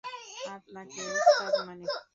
আপনাকে ওস্তাদ মানি।